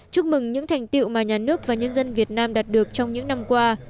chúc mừng những thành tiệu mà nhà nước và nhân dân việt nam đạt được trong những năm qua